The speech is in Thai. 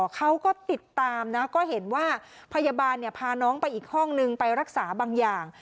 เขาก็ติดตามนะก็เห็นว่าพยาบาลพาน้องไปอีกห้องนึงไปรักษาบางอย่าง